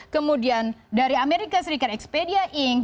kemudian dari amerika serikat expedia ink